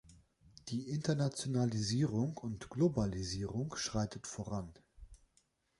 Die Internationalisierung und Globalisierung schreitet voran.